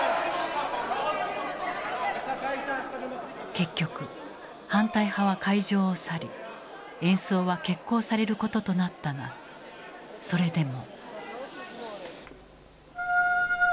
結局反対派は会場を去り演奏は決行されることとなったがそれでも。